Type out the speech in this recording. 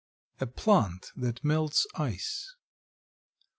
A PLANT THAT MELTS ICE.